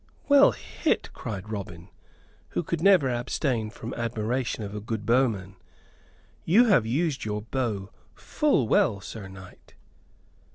"Well hit," cried Robin, who could never abstain from admiration of a good bowman. "You have used your bow full well, Sir Knight."